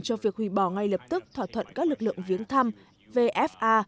cho việc hủy bỏ ngay lập tức thỏa thuận các lực lượng viếng thăm vfa